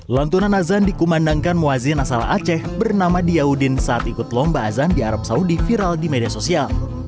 lantunan azan dikumandangkan muazzin asal aceh bernama diyaudin saat ikut lomba azan di arab saudi viral di media sosial